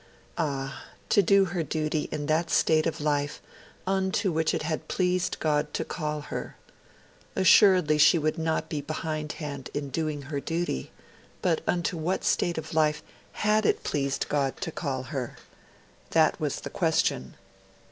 Ah! To do her duty in that state of life unto which it had pleased God to call her! Assuredly, she would not be behindhand in doing her duty; but unto what state of life HAD it pleased God to call her? That was the question.